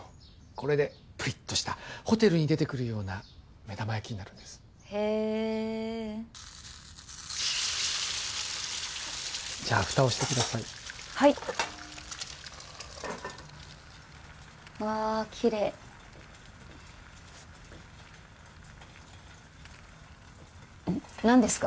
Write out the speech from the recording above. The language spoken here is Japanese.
これでプリッとしたホテルに出てくるような目玉焼きになるんですへえじゃあフタをしてくださいはいわきれいえっ何ですか？